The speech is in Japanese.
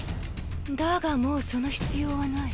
だがもうその必要はない。